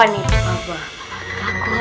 itu deh aku apa